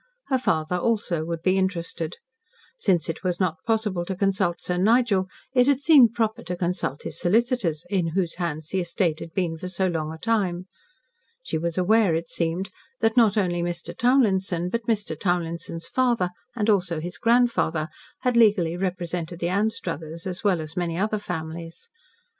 Her father also would be interested. Since it was not possible to consult Sir Nigel, it had seemed proper to consult his solicitors in whose hands the estate had been for so long a time. She was aware, it seemed, that not only Mr. Townlinson, but Mr. Townlinson's father, and also his grandfather, had legally represented the Anstruthers, as well as many other families.